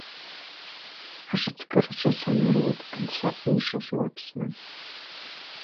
Ашацкыра ҿыц аныруеит анцәа иишахьоу Аԥсны.